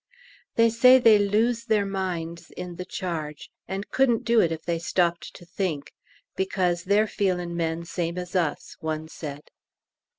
They say they "lose their minds" in the charge, and couldn't do it if they stopped to think, "because they're feelin' men, same as us," one said.